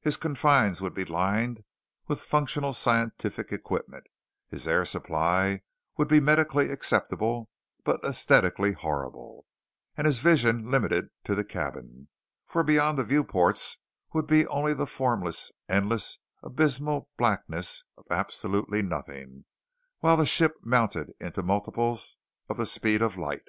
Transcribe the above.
His confines would be lined with functional scientific equipment; his air supply would be medically acceptable but aesthetically horrible; and his vision limited to the cabin, for beyond the viewports would be only the formless, endless, abysmal blackness of absolutely nothing while the ship mounted into multiples of the speed of light.